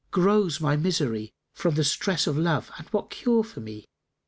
grows my misery * From the stress of love, and what cure for me?